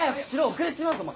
遅れちまうぞお前。